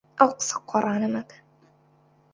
ئەو قسە قۆڕانە مەکە.